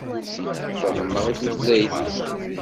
Fehhmeɣ i tutlayt-ik.